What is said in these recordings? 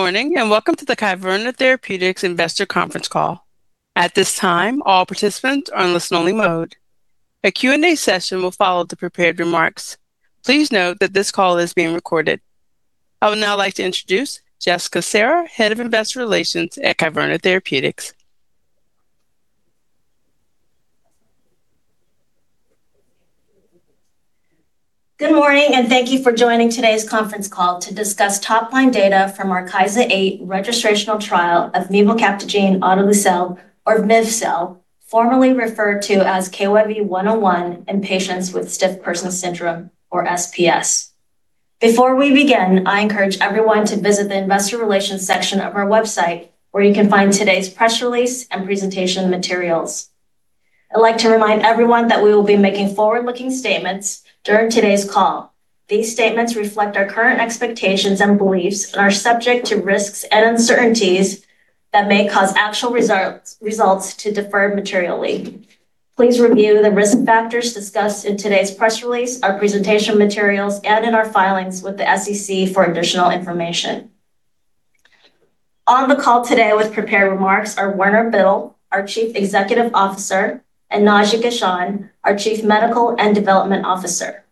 Good morning and welcome to the Kyverna Therapeutics investor conference call. At this time, all participants are in listen-only mode. A Q&A session will follow the prepared remarks. Please note that this call is being recorded. I would now like to introduce Jessica Serra, Head of Investor Relations at Kyverna Therapeutics. Good morning and thank you for joining today's conference call to discuss top-line data from our KYSA-8 registrational trial of mevalcaptagene autolysel, or miv-cel, formerly referred to as KYV-101, in patients with stiff person syndrome, or SPS. Before we begin, I encourage everyone to visit the Investor Relations section of our website, where you can find today's press release and presentation materials. I'd like to remind everyone that we will be making forward-looking statements during today's call. These statements reflect our current expectations and beliefs and are subject to risks and uncertainties that may cause actual results to differ materially. Please review the risk factors discussed in today's press release, our presentation materials, and in our filings with the SEC for additional information. On the call today with prepared remarks are Warner Biddle, our Chief Executive Officer, and Naji Gehchan, our Chief Medical and Development Officer.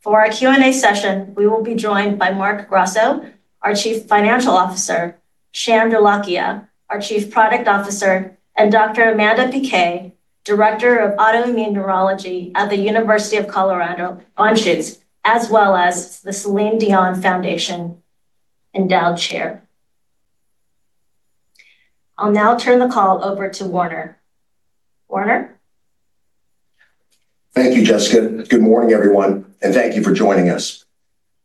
For our Q&A session, we will be joined by Marc Grasso, our Chief Financial Officer, Sham Dholakia, our Chief Product Officer, and Dr. Amanda Piquet, Director of Autoimmune Neurology at the University of Colorado Anschutz, as well as the Celine Dion Foundation Endowed Chair. I'll now turn the call over to Warner. Warner? Thank you, Jessica. Good morning, everyone, and thank you for joining us.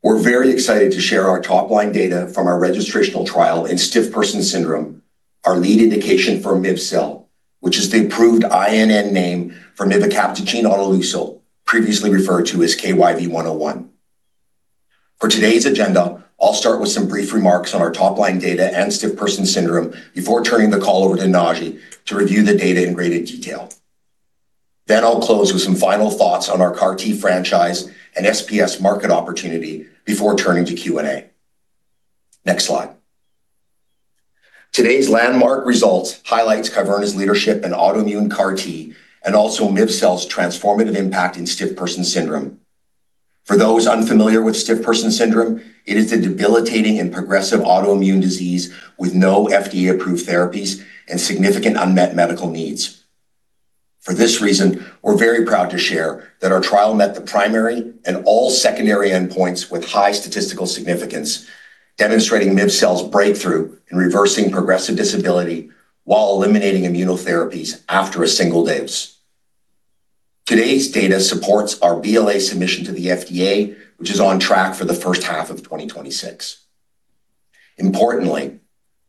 We're very excited to share our top-line data from our registrational trial in stiff person syndrome, our lead indication for miv-cel, which is the approved INN name for mevalcaptagene autolysel, previously referred to as KYV-101. For today's agenda, I'll start with some brief remarks on our top-line data and stiff person syndrome before turning the call over to Naji to review the data in greater detail. Then I'll close with some final thoughts on our CAR-T franchise and SPS market opportunity before turning to Q&A. Next slide. Today's landmark results highlight Kyverna's leadership in autoimmune CAR-T and also miv-cel's transformative impact in stiff person syndrome. For those unfamiliar with stiff person syndrome, it is a debilitating and progressive autoimmune disease with no FDA-approved therapies and significant unmet medical needs. For this reason, we're very proud to share that our trial met the primary and all secondary endpoints with high statistical significance, demonstrating miv-cel's breakthrough in reversing progressive disability while eliminating immunotherapies after a single dose. Today's data supports our BLA submission to the FDA, which is on track for the first half of 2026. Importantly,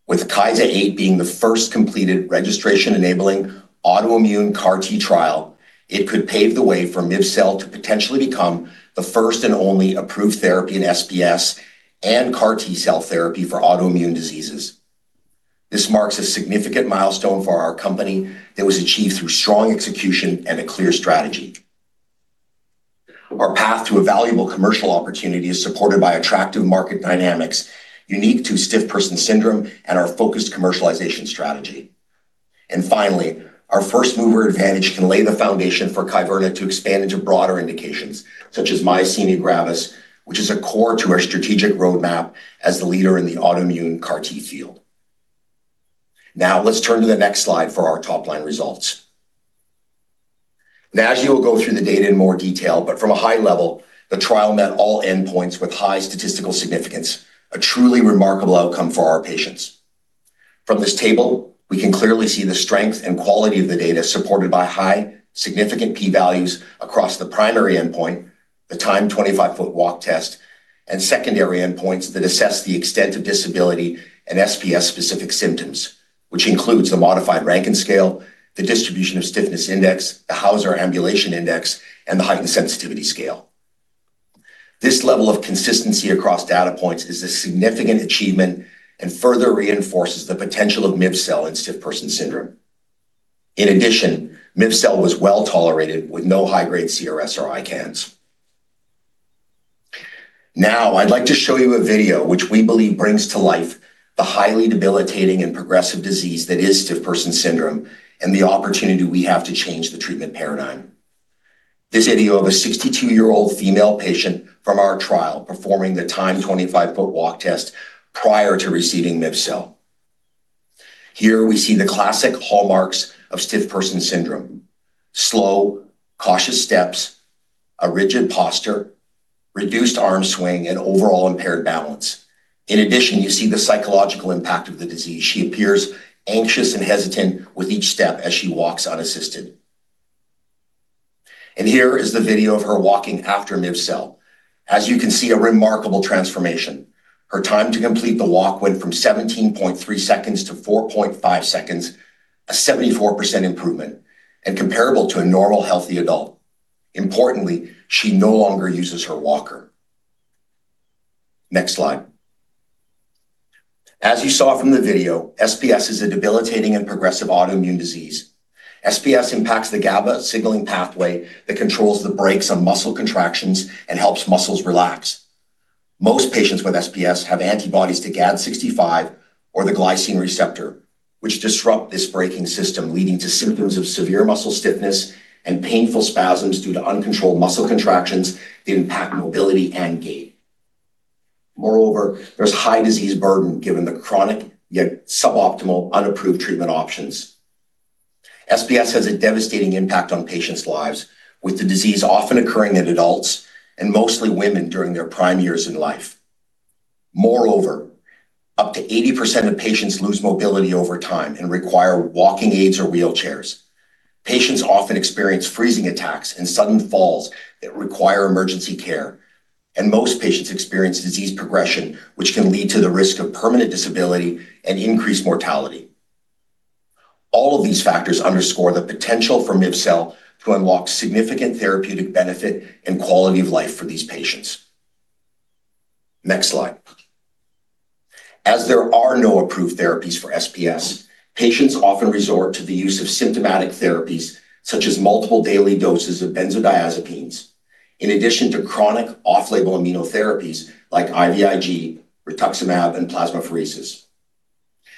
with KYSA-8 being the first completed registration-enabling autoimmune CAR-T trial, it could pave the way for miv-cel to potentially become the first and only approved therapy in SPS and CAR-T cell therapy for autoimmune diseases. This marks a significant milestone for our company that was achieved through strong execution and a clear strategy. Our path to a valuable commercial opportunity is supported by attractive market dynamics unique to stiff person syndrome and our focused commercialization strategy. Finally, our first-mover advantage can lay the foundation for Kyverna to expand into broader indications, such as myasthenia gravis, which is a core to our strategic roadmap as the leader in the autoimmune CAR-T field. Now, let's turn to the next slide for our top-line results. Naji will go through the data in more detail, but from a high level, the trial met all endpoints with high statistical significance, a truly remarkable outcome for our patients. From this table, we can clearly see the strength and quality of the data supported by high, significant p-values across the primary endpoint, the Timed 25-Foot Walk test, and secondary endpoints that assess the extent of disability and SPS-specific symptoms, which includes the Modified Rankin Scale, the Distribution-of-stiffness Index, the Hauser Ambulation Index, and the Heightened Sensitivity Scale. This level of consistency across data points is a significant achievement and further reinforces the potential of miv-cel in stiff person syndrome. In addition, miv-cel was well tolerated with no high-grade CRS or ICANS. Now, I'd like to show you a video which we believe brings to life the highly debilitating and progressive disease that is stiff person syndrome and the opportunity we have to change the treatment paradigm. This video of a 62-year-old female patient from our trial performing the Timed 25-Foot Walk test prior to receiving miv-cel. Here we see the classic hallmarks of stiff person syndrome: slow, cautious steps, a rigid posture, reduced arm swing, and overall impaired balance. In addition, you see the psychological impact of the disease. She appears anxious and hesitant with each step as she walks unassisted, and here is the video of her walking after miv-cel. As you can see, a remarkable transformation. Her time to complete the walk went from 17.3 seconds to 4.5 seconds, a 74% improvement, and comparable to a normal healthy adult. Importantly, she no longer uses her walker. Next slide. As you saw from the video, SPS is a debilitating and progressive autoimmune disease. SPS impacts the GABA signaling pathway that controls the brakes on muscle contractions and helps muscles relax. Most patients with SPS have antibodies to GAD65 or the glycine receptor, which disrupt this braking system, leading to symptoms of severe muscle stiffness and painful spasms due to uncontrolled muscle contractions that impact mobility and gait. Moreover, there's high disease burden given the chronic yet suboptimal unapproved treatment options. SPS has a devastating impact on patients' lives, with the disease often occurring in adults and mostly women during their prime years in life. Moreover, up to 80% of patients lose mobility over time and require walking aids or wheelchairs. Patients often experience freezing attacks and sudden falls that require emergency care, and most patients experience disease progression, which can lead to the risk of permanent disability and increased mortality. All of these factors underscore the potential for miv-cel to unlock significant therapeutic benefit and quality of life for these patients. Next slide. As there are no approved therapies for SPS, patients often resort to the use of symptomatic therapies, such as multiple daily doses of benzodiazepines, in addition to chronic off-label immunotherapies like IVIG, rituximab, and plasmapheresis.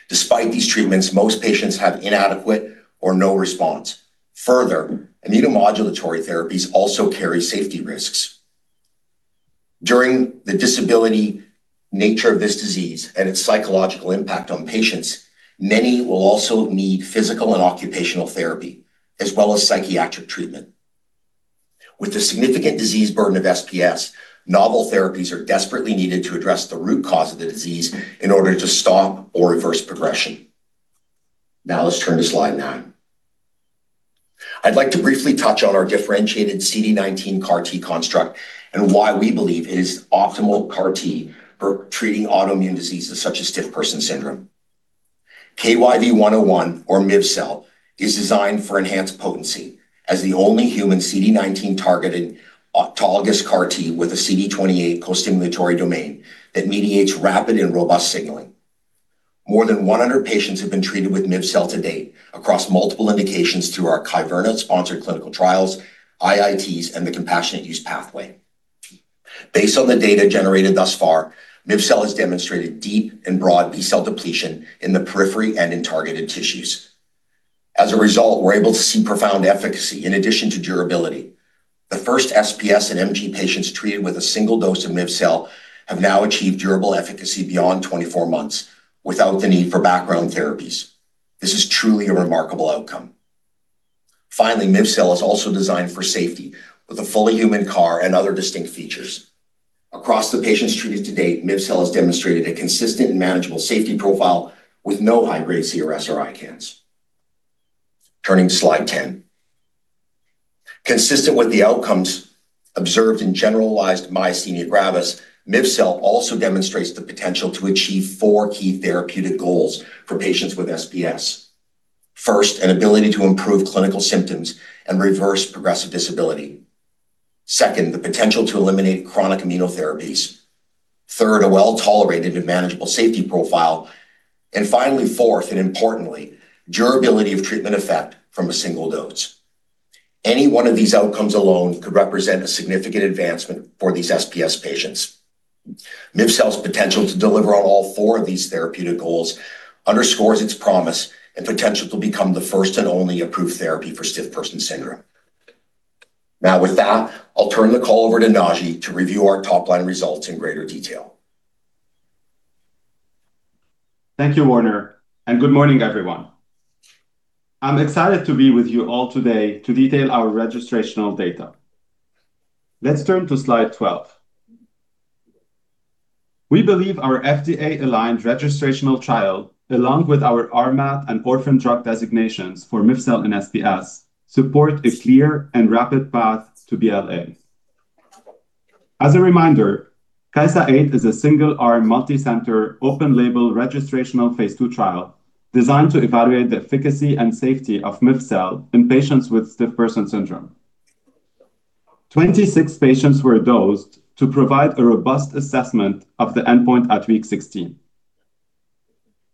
Despite these treatments, most patients have inadequate or no response. Further, immunomodulatory therapies also carry safety risks. Given the debilitating nature of this disease and its psychological impact on patients, many will also need physical and occupational therapy, as well as psychiatric treatment. With the significant disease burden of SPS, novel therapies are desperately needed to address the root cause of the disease in order to stop or reverse progression. Now, let's turn to slide nine. I'd like to briefly touch on our differentiated CD19 CAR-T construct and why we believe it is optimal CAR-T for treating autoimmune diseases such as stiff person syndrome. KYV-101, or miv-cel, is designed for enhanced potency as the only human CD19-targeted autologous CAR-T with a CD28 co-stimulatory domain that mediates rapid and robust signaling. More than 100 patients have been treated with miv-cel to date across multiple indications through our Kyverna-sponsored clinical trials, IITs, and the compassionate use pathway. Based on the data generated thus far, miv-cel has demonstrated deep and broad B-cell depletion in the periphery and in targeted tissues. As a result, we're able to see profound efficacy in addition to durability. The first SPS and MG patients treated with a single dose of miv-cel have now achieved durable efficacy beyond 24 months without the need for background therapies. This is truly a remarkable outcome. Finally, miv-cel is also designed for safety with a fully human CAR and other distinct features. Across the patients treated to date, miv-cel has demonstrated a consistent and manageable safety profile with no high-grade CRS or ICANS. Turning to slide 10. Consistent with the outcomes observed in generalized myasthenia gravis, miv-cel also demonstrates the potential to achieve four key therapeutic goals for patients with SPS. First, an ability to improve clinical symptoms and reverse progressive disability. Second, the potential to eliminate chronic immunotherapies. Third, a well-tolerated and manageable safety profile. And finally, fourth, and importantly, durability of treatment effect from a single dose. Any one of these outcomes alone could represent a significant advancement for these SPS patients. miv-cel's potential to deliver on all four of these therapeutic goals underscores its promise and potential to become the first and only approved therapy for stiff person syndrome. Now, with that, I'll turn the call over to Naji to review our top-line results in greater detail. Thank you, Warner, and good morning, everyone. I'm excited to be with you all today to detail our registrational data. Let's turn to slide 12. We believe our FDA-aligned registrational trial, along with our RMAT and Orphan Drug Designations for miv-cel and SPS, support a clear and rapid path to BLA. As a reminder, KYSA-8 is a single-arm multicenter open-label registrational phase II trial designed to evaluate the efficacy and safety of miv-cel in patients with stiff person syndrome. 26 patients were dosed to provide a robust assessment of the endpoint at week 16.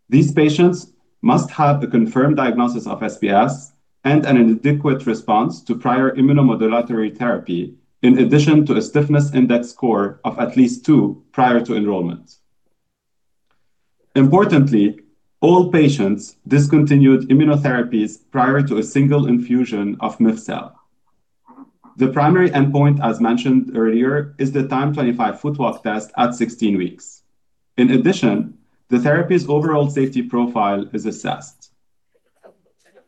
These patients must have a confirmed diagnosis of SPS and an adequate response to prior immunomodulatory therapy in addition to a stiffness index score of at least two prior to enrollment. Importantly, all patients discontinued immunotherapies prior to a single infusion of miv-cel. The primary endpoint, as mentioned earlier, is the Timed 25-Foot Walk test at 16 weeks. In addition, the therapy's overall safety profile is assessed.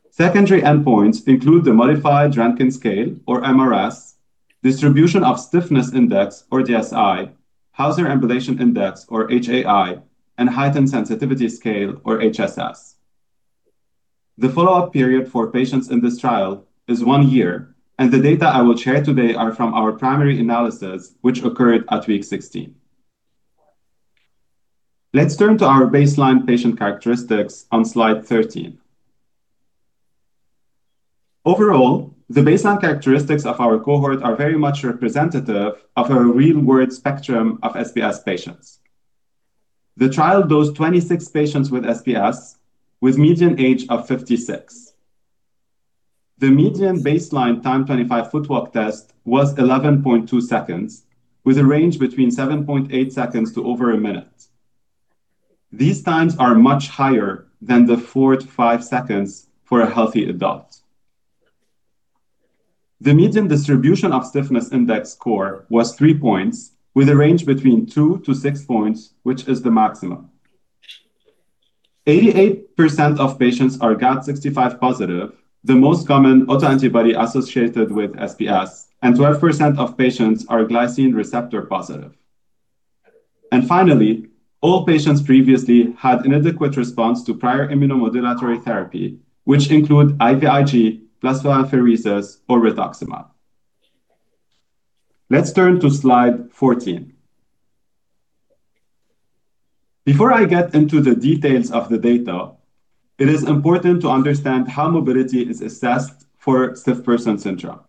Secondary endpoints include the Modified Rankin Scale, or mRS, Distribution-of-stiffness Index, or DSI, Hauser Ambulation Index, or HAI, and Heightened Sensitivity Scale, or HSS. The follow-up period for patients in this trial is one year, and the data I will share today are from our primary analysis, which occurred at week 16. Let's turn to our baseline patient characteristics on slide 13. Overall, the baseline characteristics of our cohort are very much representative of a real-world spectrum of SPS patients. The trial dosed 26 patients with SPS with a median age of 56. The median baseline Timed 25-Foot Walk test was 11.2 seconds, with a range between 7.8 seconds to over a minute. These times are much higher than the four to five seconds for a healthy adult. The median Distribution of Stiffness Index score was three points, with a range between two to six points, which is the maximum. 88% of patients are GAD65-positive, the most common autoantibody associated with SPS, and 12% of patients are glycine receptor positive, and finally, all patients previously had inadequate response to prior immunomodulatory therapy, which include IVIG, plasmapheresis, or rituximab. Let's turn to slide 14. Before I get into the details of the data, it is important to understand how mobility is assessed for stiff person syndrome.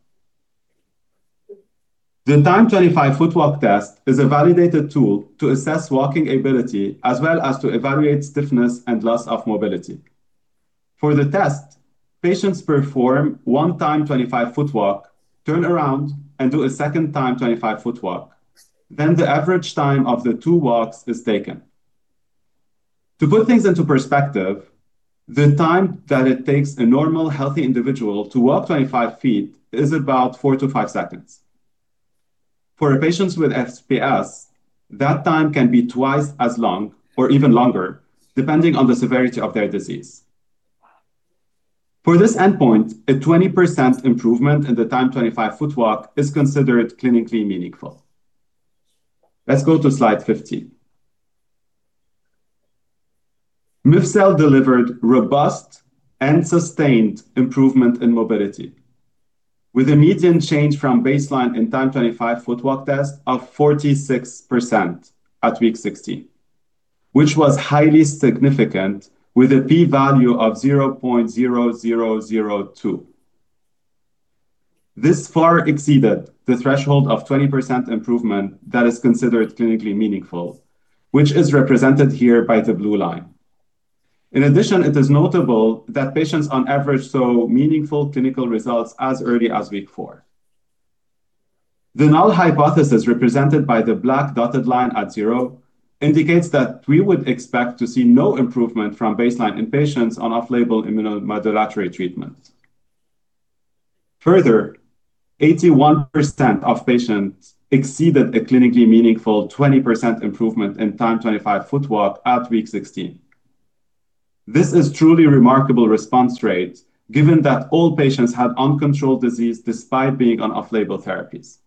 The Timed 25-Foot Walk test is a validated tool to assess walking ability as well as to evaluate stiffness and loss of mobility. For the test, patients perform one Timed 25-Foot Walk, turn around, and do a second Timed 25-Foot Walk. Then the average time of the two walks is taken. To put things into perspective, the time that it takes a normal healthy individual to walk 25 feet is about four to five seconds. For patients with SPS, that time can be twice as long or even longer, depending on the severity of their disease. For this endpoint, a 20% improvement in the Timed 25-Foot Walk is considered clinically meaningful. Let's go to slide 15. miv-cel delivered robust and sustained improvement in mobility, with a median change from baseline in Timed 25-Foot Walk test of 46% at week 16, which was highly significant, with a p-value of 0.0002. This far exceeded the threshold of 20% improvement that is considered clinically meaningful, which is represented here by the blue line. In addition, it is notable that patients on average saw meaningful clinical results as early as week four. The null hypothesis represented by the black dotted line at zero indicates that we would expect to see no improvement from baseline in patients on off-label immunomodulatory treatment. Further, 81% of patients exceeded a clinically meaningful 20% improvement in Timed 25-Foot Walk at week 16. This is truly a remarkable response rate, given that all patients had uncontrolled disease despite being on off-label therapies,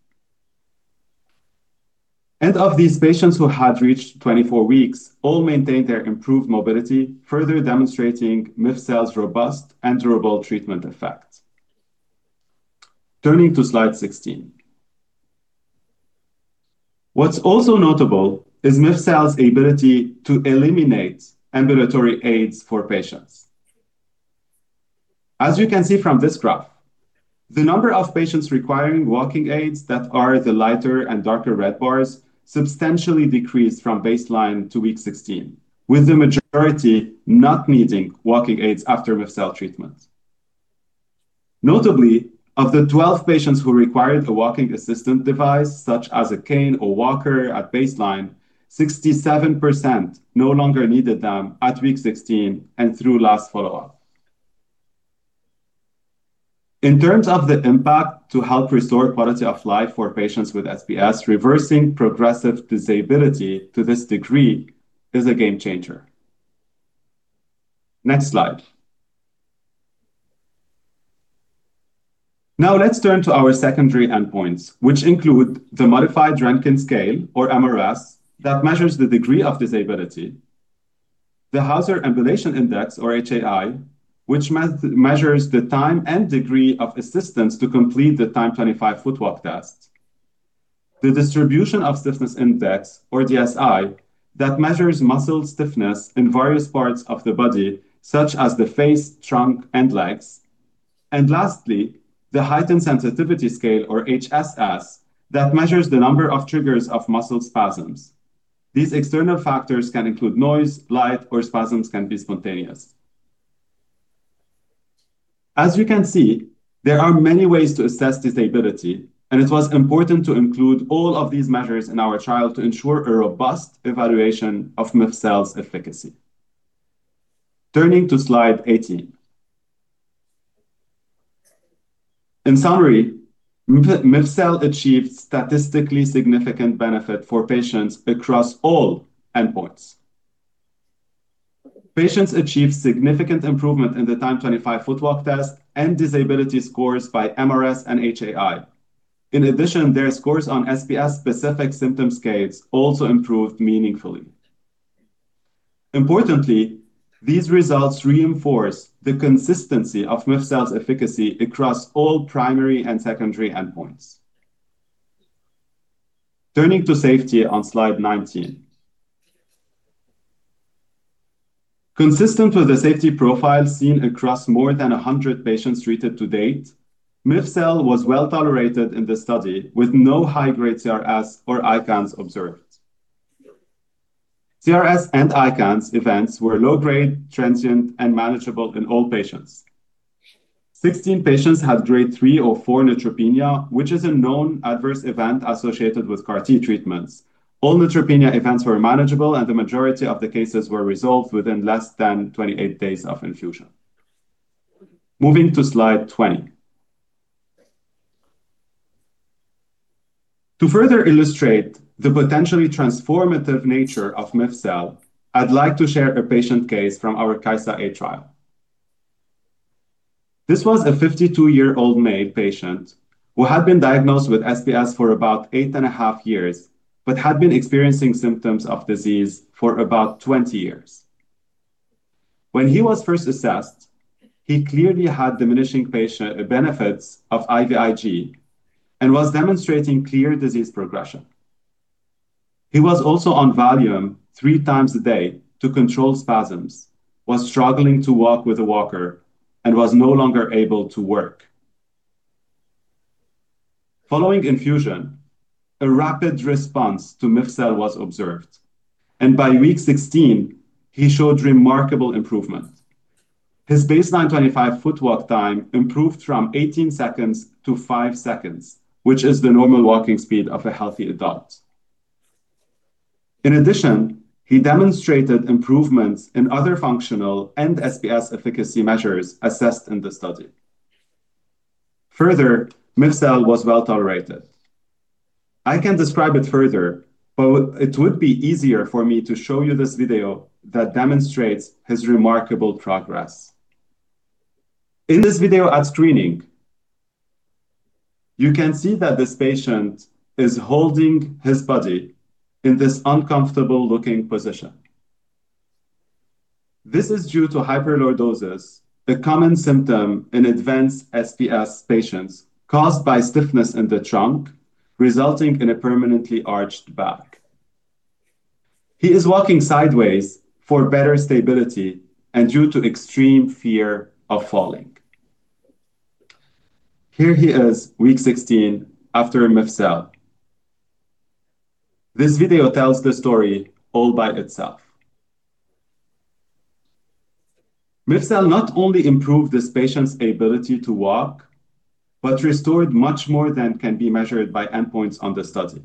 and of these patients who had reached 24 weeks, all maintained their improved mobility, further demonstrating miv-cel's robust and durable treatment effect. Turning to slide 16. What's also notable is miv-cel's ability to eliminate ambulatory aids for patients. As you can see from this graph, the number of patients requiring walking aids that are the lighter and darker red bars substantially decreased from baseline to week 16, with the majority not needing walking aids after miv-cel treatment. Notably, of the 12 patients who required a walking assistant device, such as a cane or walker at baseline, 67% no longer needed them at week 16 and through last follow-up. In terms of the impact to help restore quality of life for patients with SPS, reversing progressive disability to this degree is a game changer. Next slide. Now, let's turn to our secondary endpoints, which include the Modified Rankin Scale, or mRS, that measures the degree of disability, the Hauser Ambulation Index, or HAI, which measures the time and degree of assistance to complete the Timed 25-Foot Walk test, the Distribution-of-stiffness Index, or DSI, that measures muscle stiffness in various parts of the body, such as the face, trunk, and legs, and lastly, the Heightened Sensitivity Scale, or HSS, that measures the number of triggers of muscle spasms. These external factors can include noise, light, or spasms can be spontaneous. As you can see, there are many ways to assess disability, and it was important to include all of these measures in our trial to ensure a robust evaluation of miv-cel's efficacy. Turning to slide 18. In summary, miv-cel achieved statistically significant benefit for patients across all endpoints. Patients achieved significant improvement in the Timed 25-Foot Walk test and disability scores by mRS and HAI. In addition, their scores on SPS-specific symptom scales also improved meaningfully. Importantly, these results reinforce the consistency of miv-cel's efficacy across all primary and secondary endpoints. Turning to safety on slide 19. Consistent with the safety profile seen across more than 100 patients treated to date, miv-cel was well tolerated in the study, with no high-grade CRS or ICANS observed. CRS and ICANS events were low-grade, transient, and manageable in all patients. 16 patients had grade 3 or 4 neutropenia, which is a known adverse event associated with CAR-T treatments. All neutropenia events were manageable, and the majority of the cases were resolved within less than 28 days of infusion. Moving to slide 20. To further illustrate the potentially transformative nature of miv-cel, I'd like to share a patient case from our KYSA-8 trial. This was a 52-year-old male patient who had been diagnosed with SPS for about 8 and a half years, but had been experiencing symptoms of disease for about 20 years. When he was first assessed, he clearly had diminishing benefits of IVIG and was demonstrating clear disease progression. He was also on Valium three times a day to control spasms, was struggling to walk with a walker, and was no longer able to work. Following infusion, a rapid response to miv-cel was observed, and by week 16, he showed remarkable improvement. His baseline 25-foot walk time improved from 18 seconds to five seconds, which is the normal walking speed of a healthy adult. In addition, he demonstrated improvements in other functional and SPS efficacy measures assessed in the study. Further, miv-cel was well tolerated. I can describe it further, but it would be easier for me to show you this video that demonstrates his remarkable progress. In this video at screening, you can see that this patient is holding his body in this uncomfortable-looking position. This is due to hyperlordosis, a common symptom in advanced SPS patients caused by stiffness in the trunk, resulting in a permanently arched back. He is walking sideways for better stability and due to extreme fear of falling. Here he is, week 16, after miv-cel. This video tells the story all by itself. miv-cel not only improved this patient's ability to walk, but restored much more than can be measured by endpoints on the study.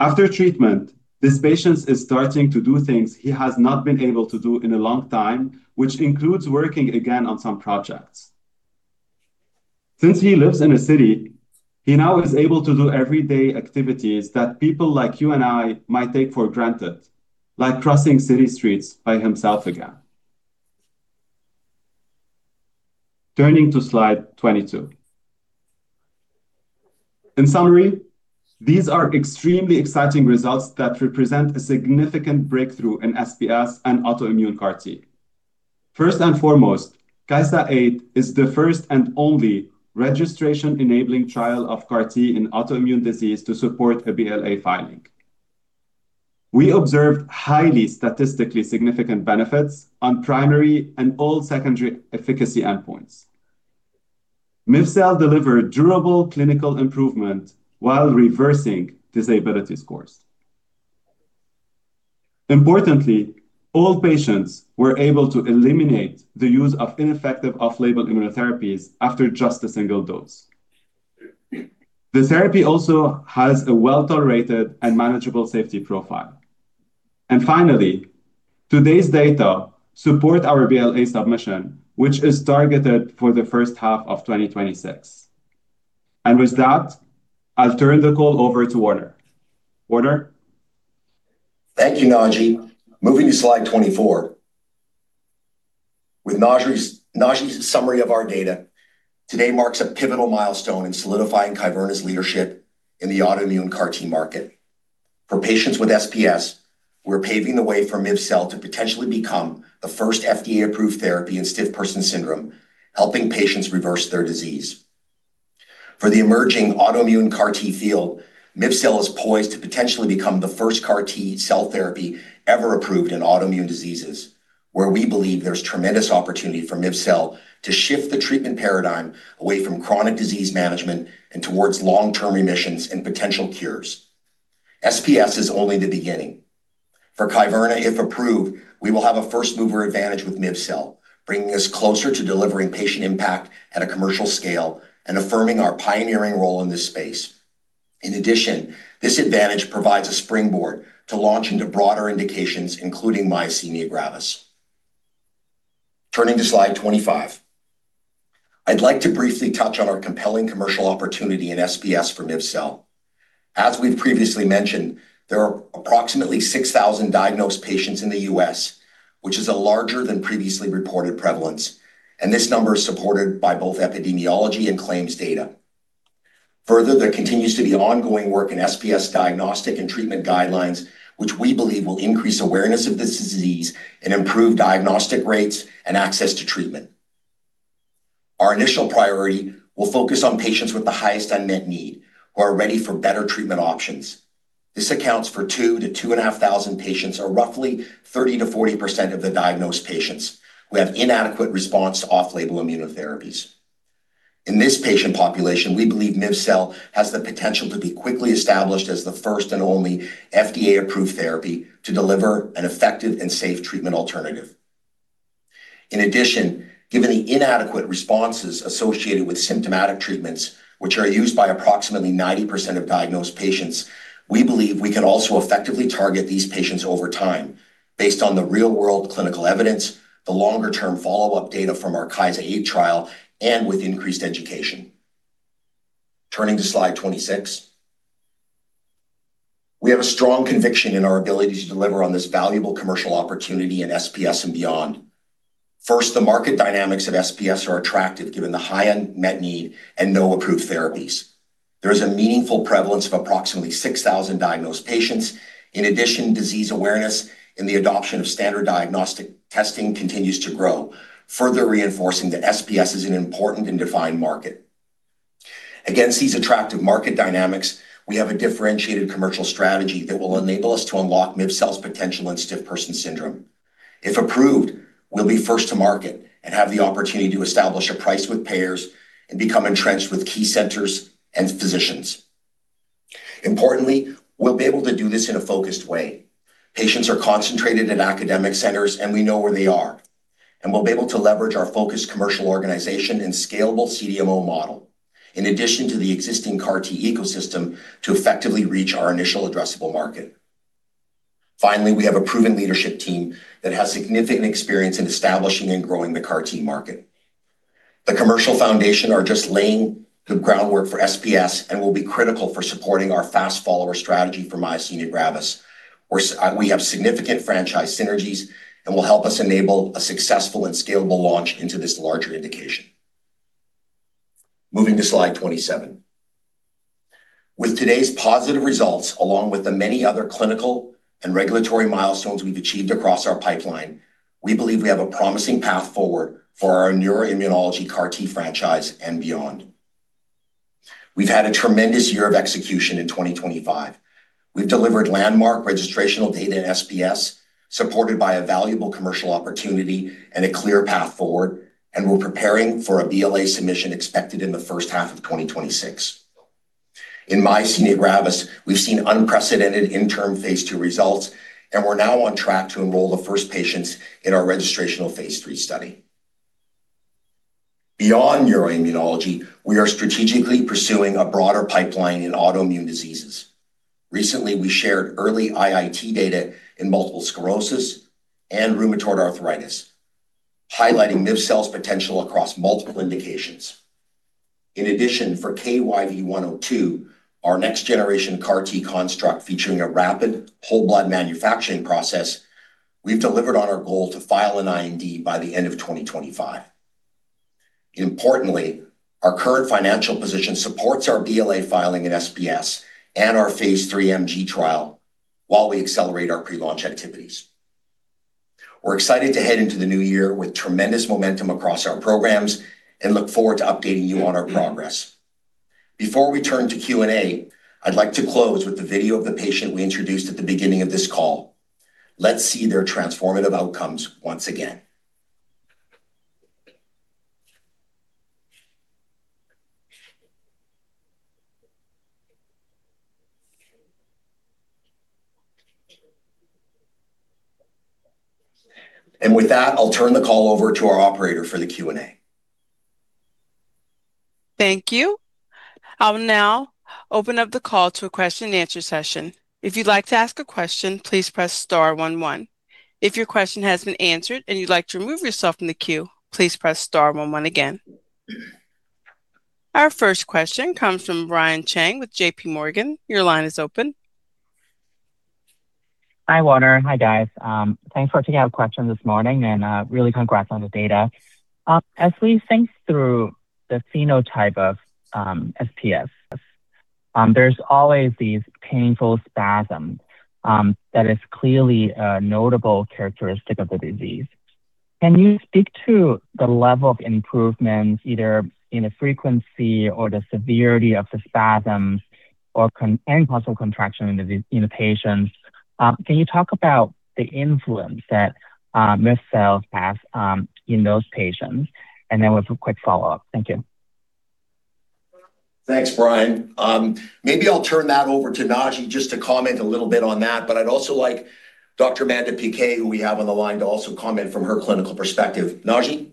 After treatment, this patient is starting to do things he has not been able to do in a long time, which includes working again on some projects. Since he lives in a city, he now is able to do everyday activities that people like you and I might take for granted, like crossing city streets by himself again. Turning to slide 22. In summary, these are extremely exciting results that represent a significant breakthrough in SPS and autoimmune CAR-T. First and foremost, KYSA-8 is the first and only registration-enabling trial of CAR-T in autoimmune disease to support a BLA filing. We observed highly statistically significant benefits on primary and all secondary efficacy endpoints. miv-cel delivered durable clinical improvement while reversing disability scores. Importantly, all patients were able to eliminate the use of ineffective off-label immunotherapies after just a single dose. The therapy also has a well-tolerated and manageable safety profile, and finally, today's data support our BLA submission, which is targeted for the first half of 2026, and with that, I'll turn the call over to Warner. Warner? Thank you, Naji. Moving to slide 24. With Naji's summary of our data, today marks a pivotal milestone in solidifying Kyverna's leadership in the autoimmune CAR-T market. For patients with SPS, we're paving the way for miv-cel to potentially become the first FDA-approved therapy in stiff person syndrome, helping patients reverse their disease. For the emerging autoimmune CAR-T field, miv-cel is poised to potentially become the first CAR-T cell therapy ever approved in autoimmune diseases, where we believe there's tremendous opportunity for miv-cel to shift the treatment paradigm away from chronic disease management and towards long-term remissions and potential cures. SPS is only the beginning. For Kyverna, if approved, we will have a first-mover advantage with miv-cel, bringing us closer to delivering patient impact at a commercial scale and affirming our pioneering role in this space. In addition, this advantage provides a springboard to launch into broader indications, including myasthenia gravis. Turning to slide 25. I'd like to briefly touch on our compelling commercial opportunity in SPS for miv-cel. As we've previously mentioned, there are approximately 6,000 diagnosed patients in the U.S., which is a larger than previously reported prevalence, and this number is supported by both epidemiology and claims data. Further, there continues to be ongoing work in SPS diagnostic and treatment guidelines, which we believe will increase awareness of this disease and improve diagnostic rates and access to treatment. Our initial priority will focus on patients with the highest unmet need, who are ready for better treatment options. This accounts for 2,000 to 2,500 patients, or roughly 30%-40% of the diagnosed patients who have inadequate response to off-label immunotherapies. In this patient population, we believe miv-cel has the potential to be quickly established as the first and only FDA-approved therapy to deliver an effective and safe treatment alternative. In addition, given the inadequate responses associated with symptomatic treatments, which are used by approximately 90% of diagnosed patients, we believe we can also effectively target these patients over time, based on the real-world clinical evidence, the longer-term follow-up data from our KYSA-8 trial, and with increased education. Turning to slide 26. We have a strong conviction in our ability to deliver on this valuable commercial opportunity in SPS and beyond. First, the market dynamics of SPS are attractive given the high unmet need and no approved therapies. There is a meaningful prevalence of approximately 6,000 diagnosed patients. In addition, disease awareness and the adoption of standard diagnostic testing continues to grow, further reinforcing that SPS is an important and defined market. Against these attractive market dynamics, we have a differentiated commercial strategy that will enable us to unlock miv-cel's potential in stiff person syndrome. If approved, we'll be first to market and have the opportunity to establish a price with payers and become entrenched with key centers and physicians. Importantly, we'll be able to do this in a focused way. Patients are concentrated at academic centers, and we know where they are. And we'll be able to leverage our focused commercial organization and scalable CDMO model, in addition to the existing CAR-T ecosystem, to effectively reach our initial addressable market. Finally, we have a proven leadership team that has significant experience in establishing and growing the CAR-T market. The commercial foundation is just laying the groundwork for SPS and will be critical for supporting our fast-follower strategy for myasthenia gravis, where we have significant franchise synergies and will help us enable a successful and scalable launch into this larger indication. Moving to slide 27. With today's positive results, along with the many other clinical and regulatory milestones we've achieved across our pipeline, we believe we have a promising path forward for our neuroimmunology CAR-T franchise and beyond. We've had a tremendous year of execution in 2025. We've delivered landmark registrational data in SPS, supported by a valuable commercial opportunity and a clear path forward, and we're preparing for a BLA submission expected in the first half of 2026. In myasthenia gravis, we've seen unprecedented interim phase II results, and we're now on track to enroll the first patients in our registrational phase III study. Beyond neuroimmunology, we are strategically pursuing a broader pipeline in autoimmune diseases. Recently, we shared early IIT data in multiple sclerosis and rheumatoid arthritis, highlighting miv-cel's potential across multiple indications. In addition, for KYV-102, our next-generation CAR-T construct featuring a rapid whole blood manufacturing process, we've delivered on our goal to file an IND by the end of 2025. Importantly, our current financial position supports our BLA filing in SPS and our phase III MG trial while we accelerate our pre-launch activities. We're excited to head into the new year with tremendous momentum across our programs and look forward to updating you on our progress. Before we turn to Q&A, I'd like to close with the video of the patient we introduced at the beginning of this call. Let's see their transformative outcomes once again. And with that, I'll turn the call over to our operator for the Q&A. Thank you. I'll now open up the call to a question-and-answer session. If you'd like to ask a question, please press star one one. If your question has been answered and you'd like to remove yourself from the queue, please press star one one again. Our first question comes from Brian Cheng with JPMorgan. Your line is open. Hi, Warner. Hi, guys. Thanks for taking our question this morning, and really congrats on the data. As we think through the phenotype of SPS, there's always these painful spasms that are clearly a notable characteristic of the disease. Can you speak to the level of improvement, either in the frequency or the severity of the spasms and possible contraction in the patients? Can you talk about the influence that miv-cel has in those patients? And then we'll have a quick follow-up. Thank you. Thanks, Brian. Maybe I'll turn that over to Naji just to comment a little bit on that, but I'd also like Dr. Amanda Piquet, who we have on the line, to also comment from her clinical perspective. Naji?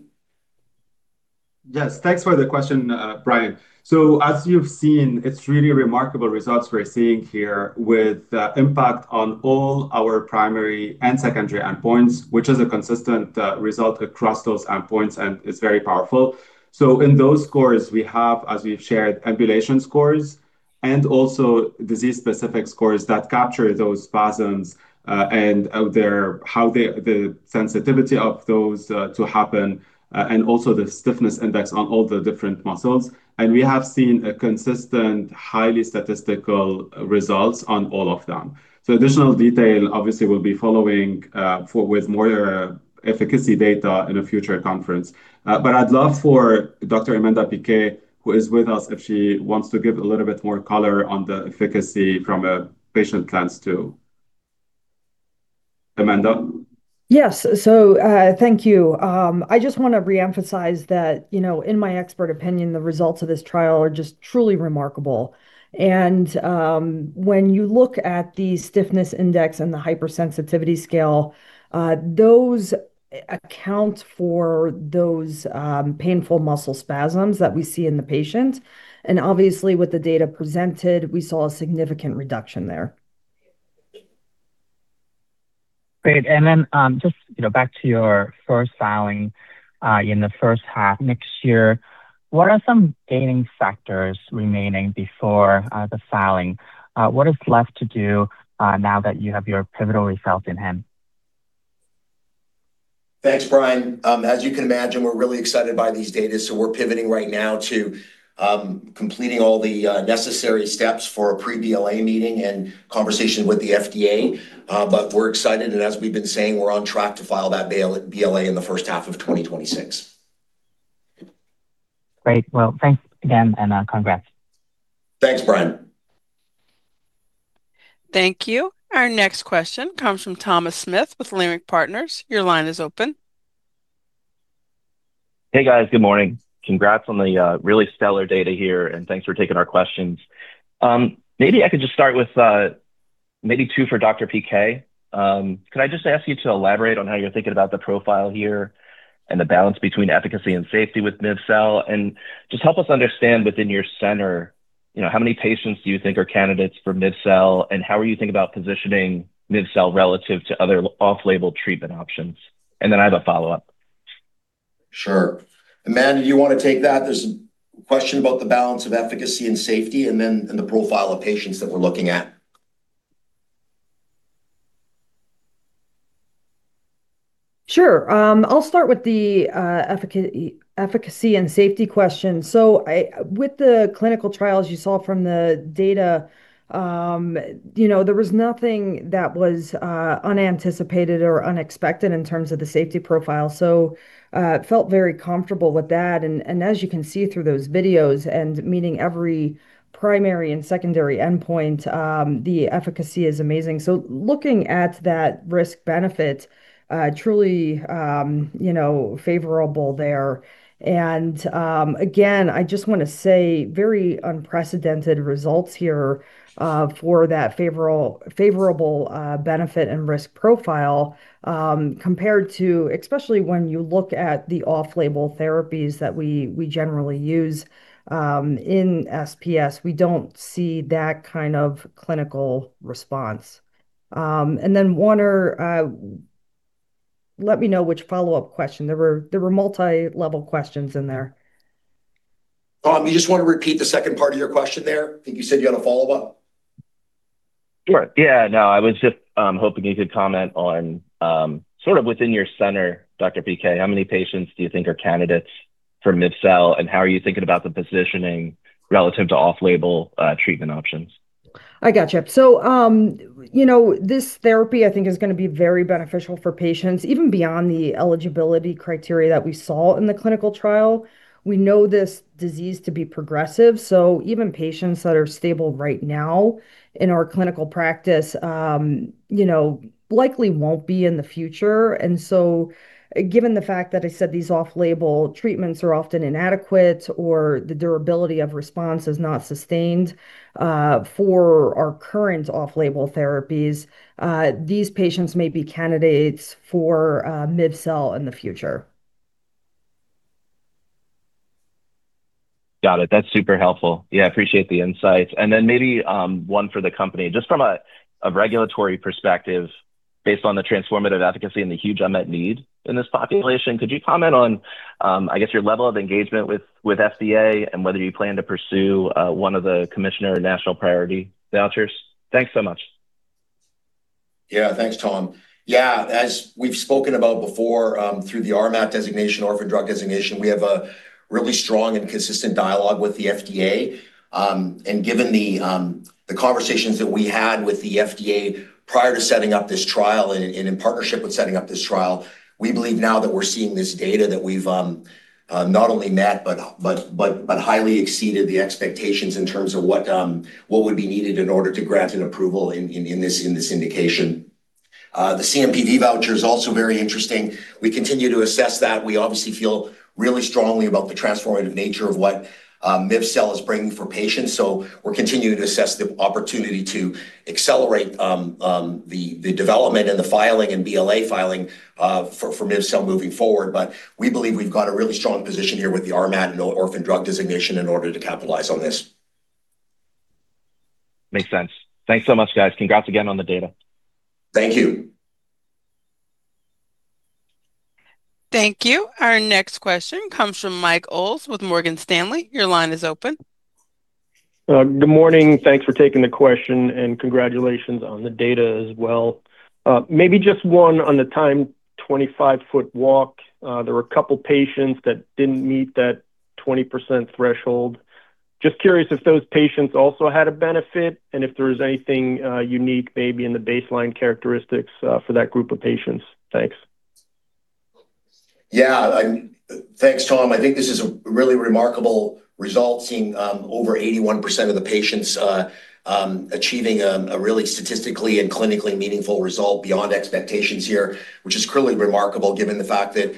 Yes, thanks for the question, Brian. So as you've seen, it's really remarkable results we're seeing here with impact on all our primary and secondary endpoints, which is a consistent result across those endpoints and is very powerful. So in those scores, we have, as we've shared, ambulation scores and also disease-specific scores that capture those spasms and how the sensitivity of those to happen and also the stiffness index on all the different muscles. And we have seen consistent, highly statistical results on all of them. So additional detail, obviously, we'll be following with more efficacy data in a future conference. But I'd love for Dr. Amanda Piquet, who is with us, if she wants to give a little bit more color on the efficacy from a patient's lens too. Amanda? Yes, so thank you. I just want to reemphasize that, you know, in my expert opinion, the results of this trial are just truly remarkable, and when you look at the stiffness index and the height and sensitivity scale, those account for those painful muscle spasms that we see in the patient. Obviously, with the data presented, we saw a significant reduction there. Great. And then just, you know, back to your first filing in the first half next year, what are some remaining factors before the filing? What is left to do now that you have your pivotal results in hand? Thanks, Brian. As you can imagine, we're really excited by these data. So we're pivoting right now to completing all the necessary steps for a pre-BLA meeting and conversation with the FDA. But we're excited, and as we've been saying, we're on track to file that BLA in the first half of 2026. Great. Well, thanks again, and congrats. Thanks, Brian. Thank you. Our next question comes from Thomas Smith with Leerink Partners. Your line is open. Hey, guys. Good morning. Congrats on the really stellar data here, and thanks for taking our questions. Maybe I could just start with maybe two for Dr. Piquet. Could I just ask you to elaborate on how you're thinking about the profile here and the balance between efficacy and safety with miv-cel? And just help us understand within your center, you know, how many patients do you think are candidates for miv-cel, and how are you thinking about positioning miv-cel relative to other off-label treatment options? And then I have a follow-up. Sure. Amanda, do you want to take that? There's a question about the balance of efficacy and safety and then the profile of patients that we're looking at. Sure. I'll start with the efficacy and safety question. So with the clinical trials you saw from the data, you know, there was nothing that was unanticipated or unexpected in terms of the safety profile. So I felt very comfortable with that. And as you can see through those videos and meeting every primary and secondary endpoint, the efficacy is amazing. So looking at that risk-benefit, truly, you know, favorable there. And again, I just want to say very unprecedented results here for that favorable benefit and risk profile compared to, especially when you look at the off-label therapies that we generally use in SPS, we don't see that kind of clinical response. And then, Warner, let me know which follow-up question. There were multi-level questions in there. You just want to repeat the second part of your question there? I think you said you had a follow-up. Sure. Yeah. No, I was just hoping you could comment on sort of within your center, Dr. Piquet, how many patients do you think are candidates for miv-cel, and how are you thinking about the positioning relative to off-label treatment options? I gotcha. You know, this therapy, I think, is going to be very beneficial for patients, even beyond the eligibility criteria that we saw in the clinical trial. We know this disease to be progressive. Even patients that are stable right now in our clinical practice, you know, likely won't be in the future. Given the fact that I said these off-label treatments are often inadequate or the durability of response is not sustained for our current off-label therapies, these patients may be candidates for miv-cel in the future. Got it. That's super helpful. Yeah, I appreciate the insights. Then maybe one for the company. Just from a regulatory perspective, based on the transformative efficacy and the huge unmet need in this population, could you comment on, I guess, your level of engagement with FDA and whether you plan to pursue one of the Commissioner National Priority Vouchers? Thanks so much. Yeah, thanks, Tom. Yeah, as we've spoken about before through the RMAT Designation, Orphan Drug Designation, we have a really strong and consistent dialogue with the FDA. And given the conversations that we had with the FDA prior to setting up this trial and in partnership with setting up this trial, we believe now that we're seeing this data that we've not only met, but highly exceeded the expectations in terms of what would be needed in order to grant an approval in this indication. The CMPV voucher is also very interesting. We continue to assess that. We obviously feel really strongly about the transformative nature of what miv-cel is bringing for patients. So we're continuing to assess the opportunity to accelerate the development and the filing and BLA filing for miv-cel moving forward. But we believe we've got a really strong position here with the RMAT and Orphan Drug Designation in order to capitalize on this. Makes sense. Thanks so much, guys. Congrats again on the data. Thank you. Thank you. Our next question comes from Mike Ulz with Morgan Stanley. Your line is open. Good morning. Thanks for taking the question, and congratulations on the data as well. Maybe just one on the Timed 25-Foot Walk. There were a couple of patients that didn't meet that 20% threshold. Just curious if those patients also had a benefit and if there was anything unique, maybe in the baseline characteristics for that group of patients. Thanks. Yeah. Thanks, Tom. I think this is a really remarkable result, seeing over 81% of the patients achieving a really statistically and clinically meaningful result beyond expectations here, which is truly remarkable given the fact that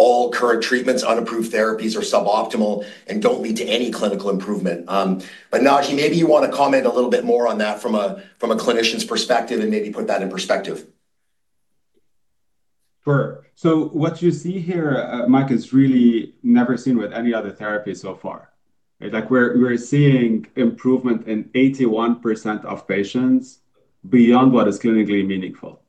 all current treatments, unapproved therapies, are suboptimal and don't lead to any clinical improvement. But Naji, maybe you want to comment a little bit more on that from a clinician's perspective and maybe put that in perspective. Sure. So what you see here, Mike, is really never seen with any other therapy so far. We're seeing improvement in 81% of patients beyond what is clinically meaningful.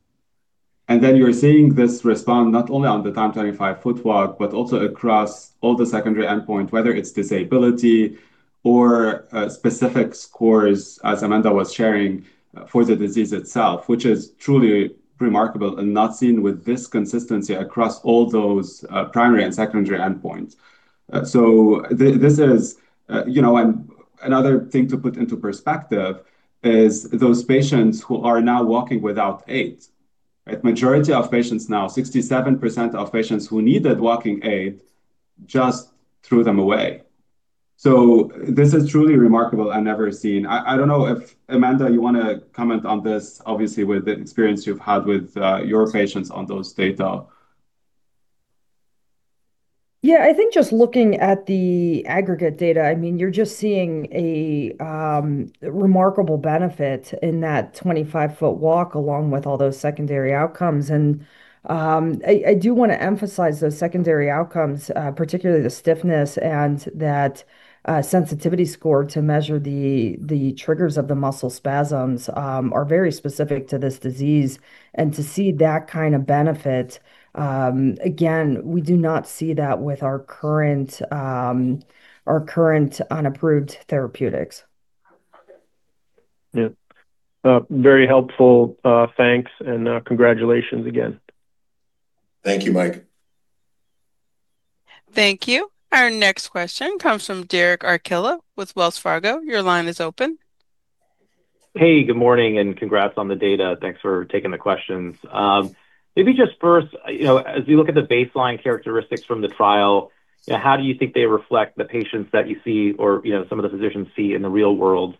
Then you're seeing this response not only on the Timed 25-Foot Walk, but also across all the secondary endpoints, whether it's disability or specific scores, as Amanda was sharing, for the disease itself, which is truly remarkable and not seen with this consistency across all those primary and secondary endpoints. This is, you know, another thing to put into perspective. Those patients who are now walking without aid. The majority of patients now, 67% of patients who needed walking aid, just threw them away. This is truly remarkable and never seen. I don't know if Amanda, you want to comment on this, obviously, with the experience you've had with your patients on those data. Yeah, I think just looking at the aggregate data, I mean, you're just seeing a remarkable benefit in that 25-foot walk along with all those secondary outcomes. I do want to emphasize those secondary outcomes, particularly the stiffness and that sensitivity score to measure the triggers of the muscle spasms are very specific to this disease. To see that kind of benefit, again, we do not see that with our current unapproved therapeutics. Yeah. Very helpful. Thanks. Congratulations again. Thank you, Mike. Thank you. Our next question comes from Derek Archila with Wells Fargo. Your line is open. Hey, good morning, and congrats on the data. Thanks for taking the questions. Maybe just first, you know, as you look at the baseline characteristics from the trial, how do you think they reflect the patients that you see or, you know, some of the physicians see in the real world?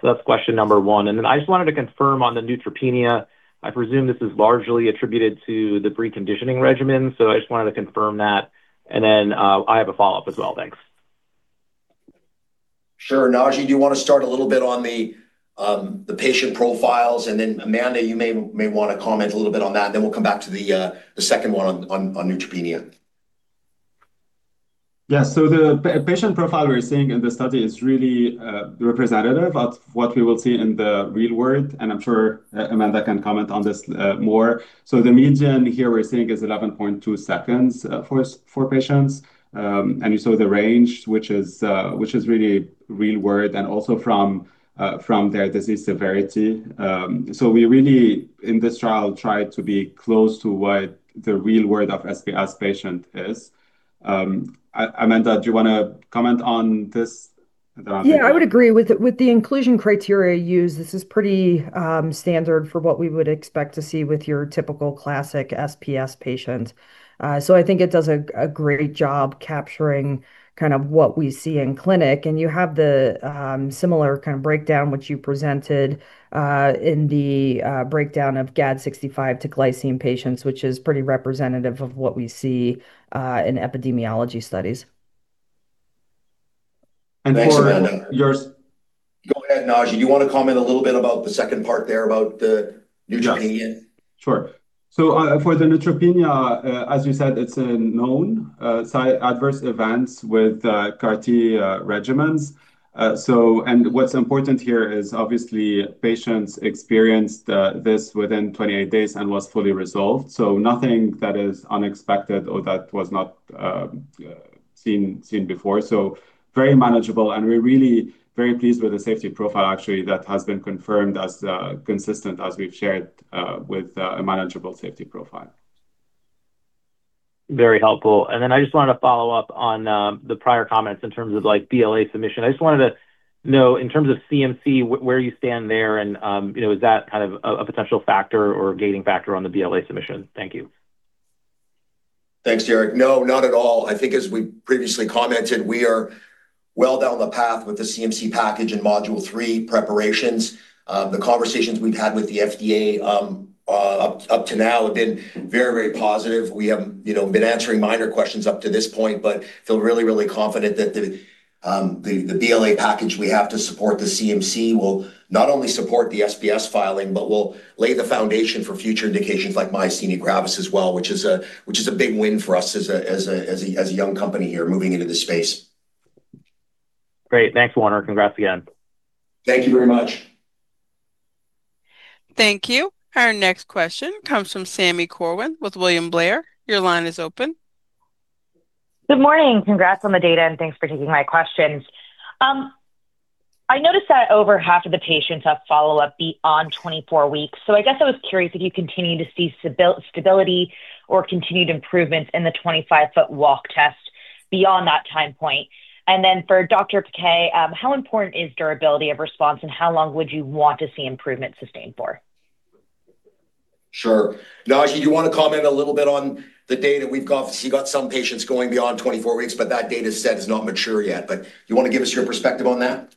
So that's question number one. Then I just wanted to confirm on the neutropenia. I presume this is largely attributed to the preconditioning regimen. I just wanted to confirm that. And then I have a follow up as well. Thanks. Sure. Naji, do you want to start a little bit on the patient profiles? And then Amanda, you may want to comment a little bit on that. Then we'll come back to the second one on neutropenia. Yeah. The patient profile we're seeing in the study is really representative of what we will see in the real world. And I'm sure Amanda can comment on this more. The median here we're seeing is 11.2 seconds for patients. And you saw the range, which is really real world and also from their disease severity. We really, in this trial, tried to be close to what the real world of SPS patient is. Amanda, do you want to comment on this? Yeah, I would agree with the inclusion criteria used. This is pretty standard for what we would expect to see with your typical classic SPS patient, so I think it does a great job capturing kind of what we see in clinic, and you have the similar kind of breakdown, which you presented in the breakdown of GAD65 to glycine patients, which is pretty representative of what we see in epidemiology studies, and for your, go ahead, Naji. Do you want to comment a little bit about the second part there about the neutropenia? Sure, so for the neutropenia, as you said, it's a known adverse event with CAR-T regimens, and what's important here is, obviously, patients experienced this within 28 days and was fully resolved, so nothing that is unexpected or that was not seen before, so very manageable. And we're really very pleased with the safety profile, actually, that has been confirmed as consistent as we've shared with a manageable safety profile. Very helpful. And then I just wanted to follow up on the prior comments in terms of, like, BLA submission. I just wanted to know, in terms of CMC, where you stand there, and, you know, is that kind of a potential factor or gating factor on the BLA submission? Thank you. Thanks, Derek. No, not at all. I think, as we previously commented, we are well down the path with the CMC package and module three preparations. The conversations we've had with the FDA up to now have been very, very positive. We have, you know, been answering minor questions up to this point, but feel really, really confident that the BLA package we have to support the CMC will not only support the SPS filing, but will lay the foundation for future indications like myasthenia gravis as well, which is a big win for us as a young company here moving into the space. Great. Thanks, Warner. Congrats again. Thank you very much. Thank you. Our next question comes from Sami Corwin with William Blair. Your line is open. Good morning. Congrats on the data, and thanks for taking my questions. I noticed that over half of the patients have follow-up beyond 24 weeks. So I guess I was curious if you continue to see stability or continued improvements in the 25-foot walk test beyond that time point. And then for Dr. Piquet, how important is durability of response, and how long would you want to see improvement sustained for? Sure. Naji, do you want to comment a little bit on the data we've got? You got some patients going beyond 24 weeks, but that data set is not mature yet. But do you want to give us your perspective on that?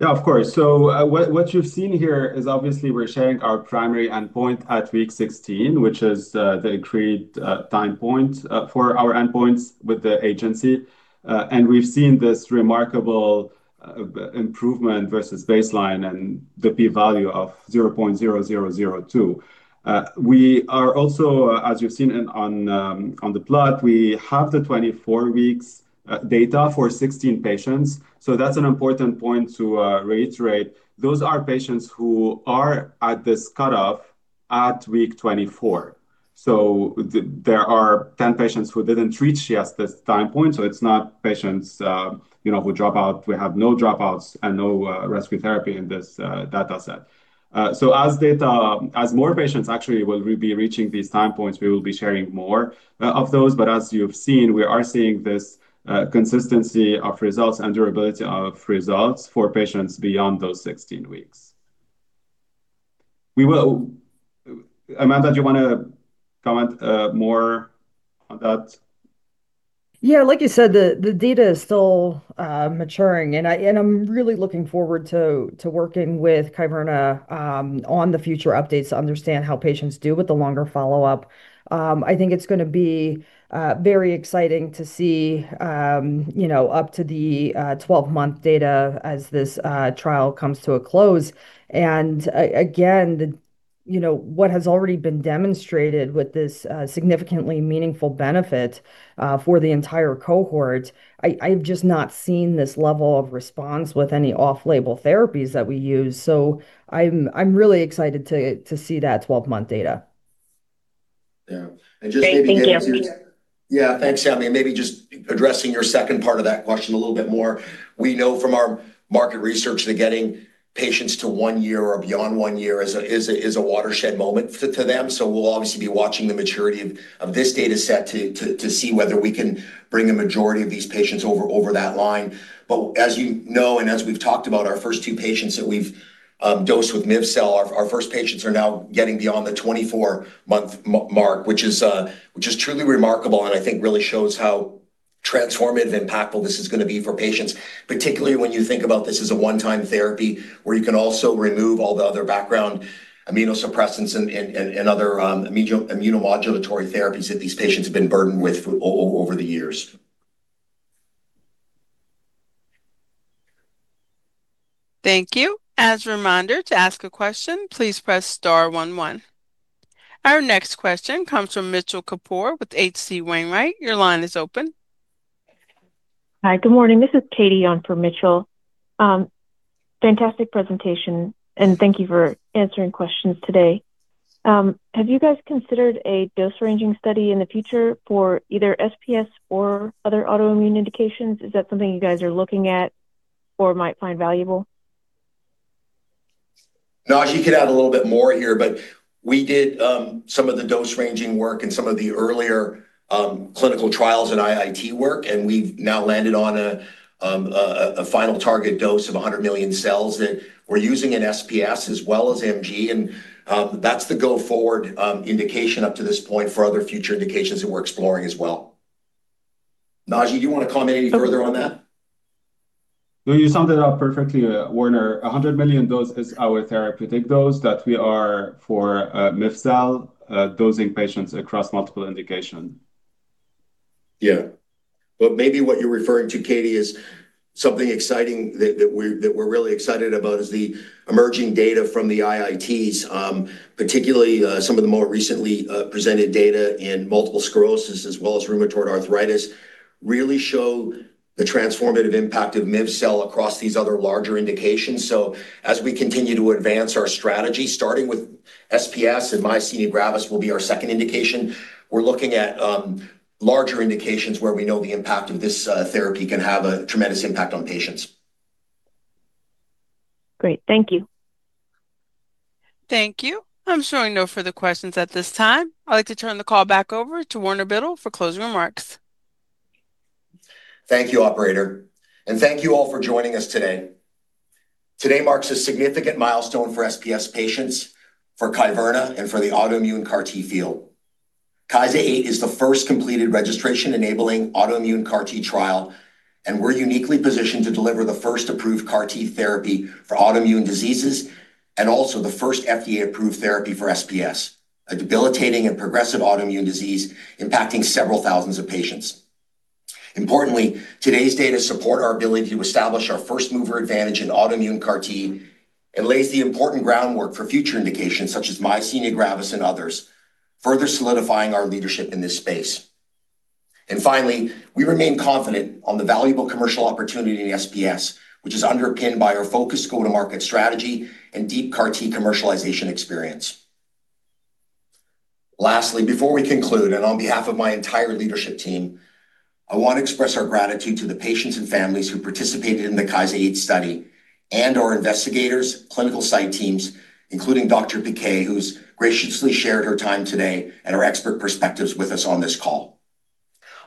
Yeah, of course. So what you've seen here is obviously we're sharing our primary endpoint at week 16, which is the agreed time point for our endpoints with the agency. And we've seen this remarkable improvement versus baseline and the p-value of 0.0002. We are also, as you've seen on the plot, we have the 24-week data for 16 patients. So that's an important point to reiterate. Those are patients who are at this cutoff at week 24. So there are 10 patients who didn't reach yet this time point. So it's not patients, you know, who drop out. We have no dropouts and no rescue therapy in this data set. So as more patients actually will be reaching these time points, we will be sharing more of those. But as you've seen, we are seeing this consistency of results and durability of results for patients beyond those 16 weeks. Amanda, do you want to comment more on that? Yeah. Like you said, the data is still maturing. And I'm really looking forward to working with Kyverna on the future updates to understand how patients do with the longer follow-up. I think it's going to be very exciting to see, you know, up to the 12-month data as this trial comes to a close. And again, you know, what has already been demonstrated with this significantly meaningful benefit for the entire cohort. I've just not seen this level of response with any off-label therapies that we use. So I'm really excited to see that 12-month data. Yeah. And just maybe, thank you. Yeah. Thanks, Sami. And maybe just addressing your second part of that question a little bit more. We know from our market research that getting patients to one year or beyond one year is a watershed moment to them. So we'll obviously be watching the maturity of this data set to see whether we can bring a majority of these patients over that line. But as you know, and as we've talked about, our first two patients that we've dosed with miv-cel, our first patients are now getting beyond the 24-month mark, which is truly remarkable. And I think really shows how transformative and impactful this is going to be for patients, particularly when you think about this as a one-time therapy where you can also remove all the other background immunosuppressants and other immunomodulatory therapies that these patients have been burdened with over the years. Thank you. As a reminder to ask a question, please press star 11. Our next question comes from Mitchell Kapoor with HC Wainwright. Your line is open. Hi. Good morning. This is Katie on for Mitchell. Fantastic presentation. And thank you for answering questions today. Have you guys considered a dose-ranging study in the future for either SPS or other autoimmune indications? Is that something you guys are looking at or might find valuable? Naji, you could add a little bit more here, but we did some of the dose-ranging work and some of the earlier clinical trials and IIT work. We have now landed on a final target dose of 100 million cells that we are using in SPS as well as MG. That is the go-forward indication up to this point for other future indications that we are exploring as well. Naji, do you want to comment any further on that? No, you summed it up perfectly, Warner. 100 million dose is our therapeutic dose that we are for miv-cel dosing patients across multiple indications. Yeah. But maybe what you're referring to, Katie, is something exciting that we're really excited about, is the emerging data from the IITs, particularly some of the more recently presented data in multiple sclerosis as well as rheumatoid arthritis that really show the transformative impact of miv-cel across these other larger indications. So as we continue to advance our strategy, starting with SPS, and myasthenia gravis will be our second indication. We're looking at larger indications where we know the impact of this therapy can have a tremendous impact on patients. Great. Thank you. Thank you. I'm showing no further questions at this time. I'd like to turn the call back over to Warner Biddle for closing remarks. Thank you, Operator. And thank you all for joining us today. Today marks a significant milestone for SPS patients, for Kyverna, and for the autoimmune CAR-T field. KYSA-8 is the first completed registration-enabling autoimmune CAR-T trial. And we're uniquely positioned to deliver the first approved CAR-T therapy for autoimmune diseases and also the first FDA-approved therapy for SPS, a debilitating and progressive autoimmune disease impacting several thousands of patients. Importantly, today's data supports our ability to establish our first mover advantage in autoimmune CAR-T and lays the important groundwork for future indications such as myasthenia gravis and others, further solidifying our leadership in this space. And finally, we remain confident on the valuable commercial opportunity in SPS, which is underpinned by our focused go-to-market strategy and deep CAR-T commercialization experience. Lastly, before we conclude, and on behalf of my entire leadership team, I want to express our gratitude to the patients and families who participated in the KYSA-8 study and our investigators, clinical site teams, including Dr. Piquet, who's graciously shared her time today and her expert perspectives with us on this call.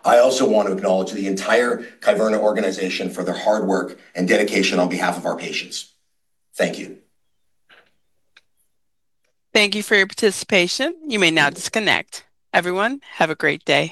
I also want to acknowledge the entire Kyverna organization for their hard work and dedication on behalf of our patients. Thank you. Thank you for your participation. You may now disconnect. Everyone, have a great day.